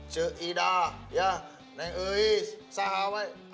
seidah ya neng eis sahabat